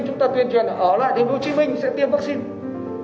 chúng ta tuyên truyền ở lại thành phố hồ chí minh sẽ tiêm vaccine